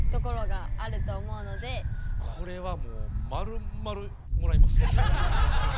これはもうまるまるもらいます。